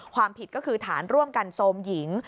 ความผิดก็คือฐานร่วมกันโซมหญิง